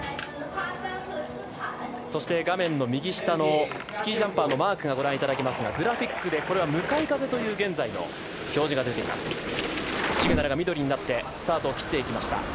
画面右下のスキージャンパーのマークをご覧いただけますがグラフィックで向かい風という表示が出ていました。